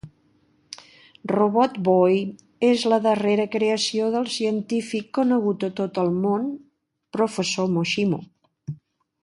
Robotboy és la darrera creació del científic conegut a tot el món, Professor Moshimo.